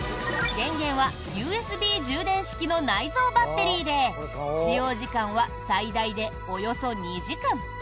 電源はＵＳＢ充電式の内蔵バッテリーで使用時間は最大でおよそ２時間。